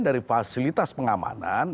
dari fasilitas pengamanan